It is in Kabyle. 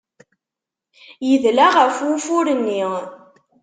Yedla ɣef wufur-nni.